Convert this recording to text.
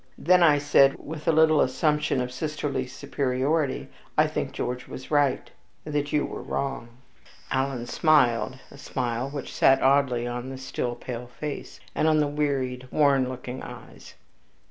"Then," I said, with a little assumption of sisterly superiority, "I think George was right, and that you were wrong." Alan smiled, a smiled which sat oddly on the still pale face, and in the wearied, worn looking eyes.